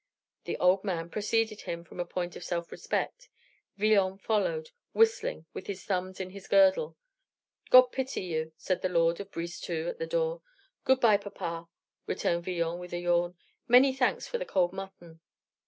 The old man preceded him from a point of self respect; Villon followed, whistling, with his thumbs in his girdle. "God pity you," said the lord of Brisetout at the door. "Good bye, papa," returned Villon, with a yawn. "Many thanks for the cold mutton."